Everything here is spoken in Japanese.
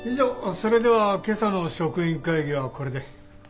それでは今朝の職員会議はこれで。